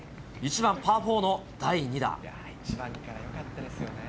１番パー４の第２打。